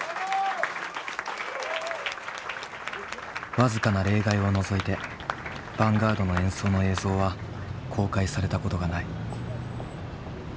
僅かな例外を除いてヴァンガードの演奏の映像は公開されたことがない。